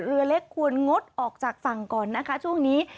เรือเล็กควรงดออกจากฝั่งก่อนนะคะช่วงนี้